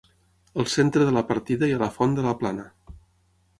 Al centre de la partida hi ha la Font de la Plana.